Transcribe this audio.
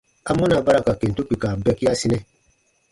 Amɔna ba ra ka kentu kpika bɛkiasinɛ?